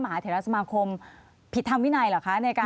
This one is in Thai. มหาเทราสมาคมผิดธรรมวินัยเหรอคะ